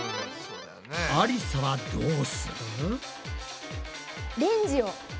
ありさはどうする？